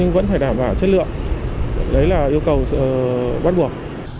vẫn phải đảm bảo chất lượng đấy là yêu cầu sự bắt buộc